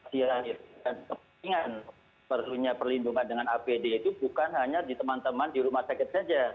dia perlunya perlindungan dengan apd itu bukan hanya di teman teman di rumah sakit saja